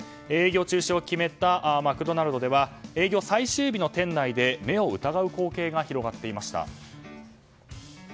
営業中止を決めたマクドナルドでは営業最終日の店内で目を疑う光景が広がっていました。